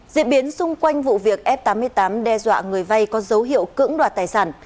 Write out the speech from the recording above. diễn biến xung quanh vụ việc f tám mươi tám đe dọa người vay có dấu hiệu cưỡng đoạt tài sản